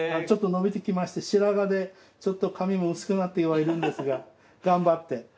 ちょっと伸びてきまして白髪でちょっと髪も薄くなった言われるんですが頑張って。